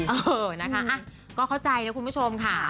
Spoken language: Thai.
เออนะคะก็เข้าใจนะคุณผู้ชมค่ะ